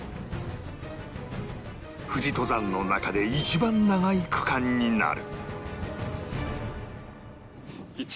富士登山の中で一番長い区間になる